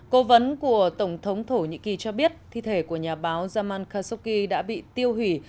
cố vấn của tổng thống thổ nhĩ kỳ cho biết thi thể của nhà báo zaman khashoggi đã bị tiêu hủy